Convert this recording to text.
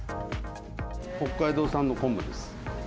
北海道産の昆布です。